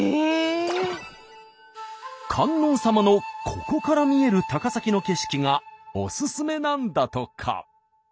観音様のここから見える高崎の景色がおすすめなんだとか。